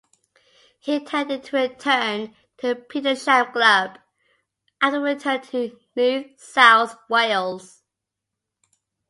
He intended to return to the Petersham club after returning to New South Wales.